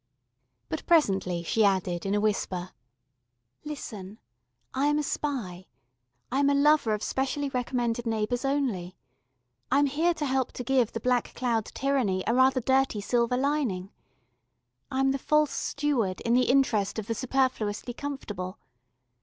But presently she added in a whisper: "Listen. I am a spy. I am a lover of specially recommended neighbours only. I am here to help to give the black cloud Tyranny a rather dirty silver lining. I am the False Steward, in the interest of the Superfluously Comfortable.